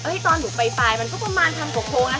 เฮ้ยตอนหนูไปปลายมันก็ประมาณคันหกโค้งอ่ะ